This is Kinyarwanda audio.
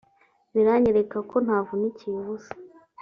biranyereka ko ntavunikiye ubusa